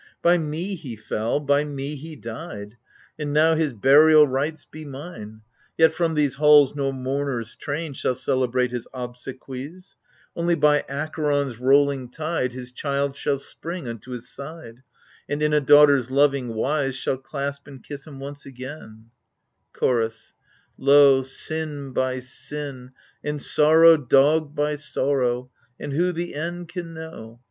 By me he fell, by me he died, And now his burial rites be mine ! Yet from these halls no mourners' train Shall celebrate his obsequies ; Only by Acheron's rolling tide His child shall spring unto his side, And in a daughter's loving wise Shall clasp and kiss him once again I Chorus Lo 1 sin by sin and sorrow dogg'd by sorrow — And who the end can know